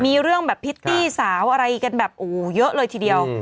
มีเรื่องแบบพิตตี้สาวอะไรกันแบบโอ้โหเยอะเลยทีเดียว